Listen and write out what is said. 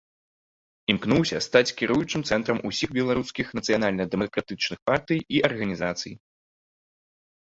Імкнуўся стаць кіруючым цэнтрам усіх беларускіх нацыянальна-дэмакратычных партый і арганізацый.